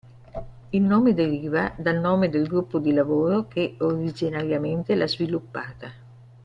Il nome deriva dal nome del gruppo di lavoro che originariamente l'ha sviluppata.